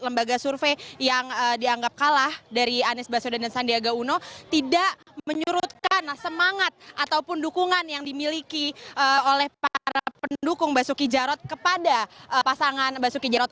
lembaga survei yang dianggap kalah dari anies baswedan dan sandiaga uno tidak menyurutkan semangat ataupun dukungan yang dimiliki oleh para pendukung basuki jarot kepada pasangan basuki jarot